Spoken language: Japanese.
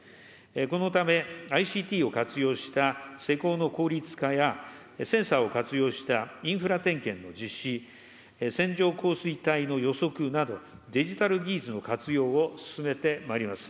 このため、ＩＣＴを活用した施工の効率化や、センサーを活用したインフラ点検の実施、線状降水帯の予測など、デジタル技術の活用を進めてまいります。